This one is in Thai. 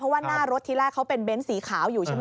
เพราะว่าหน้ารถที่แรกเขาเป็นเน้นสีขาวอยู่ใช่ไหม